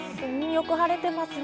よく晴れてますね。